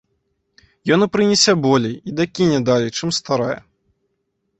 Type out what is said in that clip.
Ён і прынясе болей, і дакіне далей, чым старая.